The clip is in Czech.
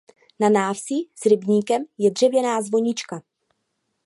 Na návsi s rybníkem je dřevěná zvonička.